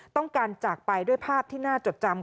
ต้องการจากไปด้วยภาพที่น่าจดจำ